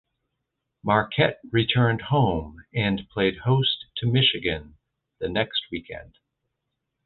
Marquette returned home and played host to Michigan the next weekend.